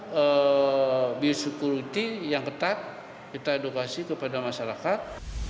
lakukan biosekreti yang ketat kita edukasi kepada masyarakat